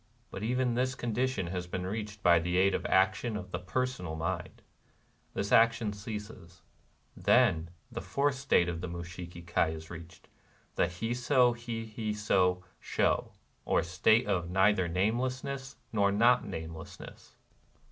But even this condition has been reached by the aid of the action of the personal mind. This action ceases : then the fourth state of the Mushiki Kai is reached, — the Hisd hiMso sho, or the state of " neither namelessness nor not namelessness."